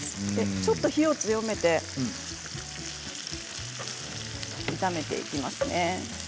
ちょっと火を強めて炒めていきますね。